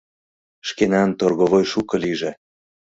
Шкенан торговой шуко лийже...